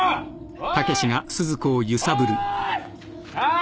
おい。